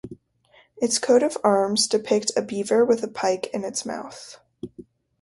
Its coat of arms depict a beaver with a pike in its mouth.